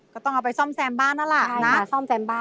ก็ต้องเอาไปซ่อมแซมบ้านน่ะล่ะนะใช่ค่ะซ่อมแซมบ้าน